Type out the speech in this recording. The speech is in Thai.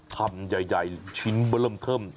คำใหญ่ชิ้นเบลื้มเทิม